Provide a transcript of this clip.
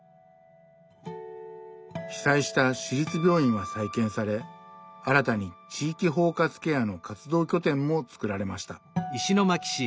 被災した市立病院は再建され新たに「地域包括ケア」の活動拠点も作られました。